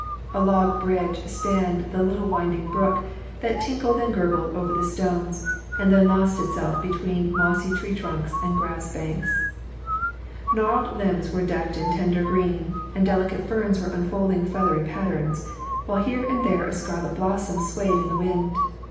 A log bridge spanned the little winding brook that tinkled and gurgled over the stones, and then lost itself between mossy tree trunks and grassy banks. Gnarled limbs were decked in tender green, and delicate ferns were unfolding feathery patterns, while here and there a scarlet blossom swayed in the wind.